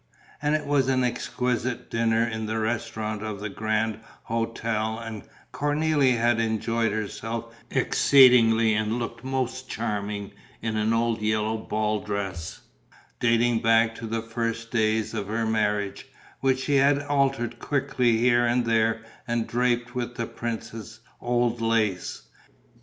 And it was an exquisite dinner in the restaurant of the Grand Hôtel and Cornélie had enjoyed herself exceedingly and looked most charming in an old yellow ball dress, dating back to the first days of her marriage, which she had altered quickly here and there and draped with the prince's old lace.